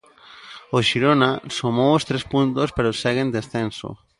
O Xirona sumou os tres puntos pero segue en descenso.